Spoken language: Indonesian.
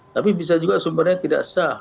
tapi bisa juga sumbernya tidak sah